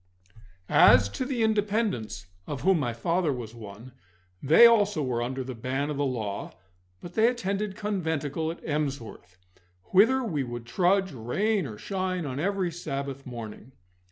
As to the Independents, of whom my father was one, they also were under the ban of the law, but they attended conventicle at Emsworth, whither we would trudge, rain or shine, on every Sabbath morning.